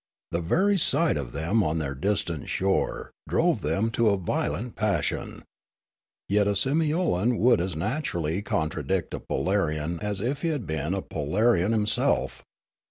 The very sight of them on their distant shore drove them into a violent pas sion. Yet a Simiolan would as naturally contradict a Polarian as if he had been a Polarian himself.